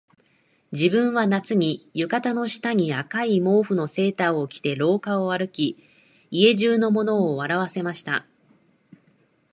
自分は夏に、浴衣の下に赤い毛糸のセーターを着て廊下を歩き、家中の者を笑わせました